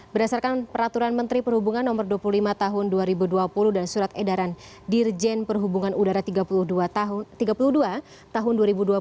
berdasarkan peraturan menteri perhubungan no dua puluh lima tahun dua ribu dua puluh dan surat edaran dirjen perhubungan udara tiga puluh dua tahun dua ribu dua puluh